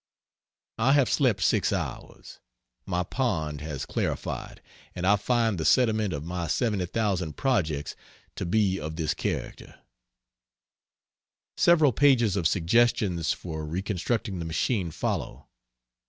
I have slept 6 hours, my pond has clarified, and I find the sediment of my 70,000 projects to be of this character: [Several pages of suggestions for reconstructing the machine follow.